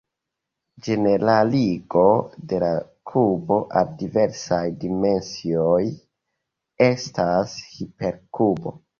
Ĝeneraligo de la kubo al diversaj dimensioj estas "hiperkubo".